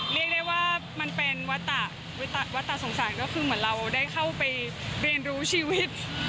เรียกได้ว่ามันเป็นวัฒน์สงสารน่ะคือมันเหมือนเราได้เข้าไปเป็นในรู้ชีวิต